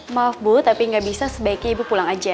maaf bu tapi nggak bisa sebaiknya ibu pulang aja